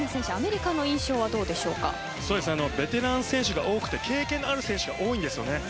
清水選手、アメリカの印象はベテラン選手が多くて経験のある選手が多いんです。